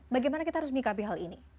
bagaimana kita harus menyikapi hal ini